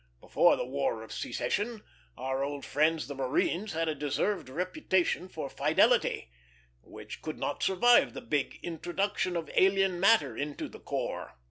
Before the War of Secession our old friends the marines had a deserved reputation for fidelity, which could not survive the big introduction of alien matter into the "corps."